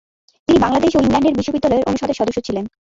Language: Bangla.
তিনি বাংলাদেশ ও ইংল্যান্ডের বিশ্ববিদ্যালয়ের অনুষদের সদস্য ছিলেন।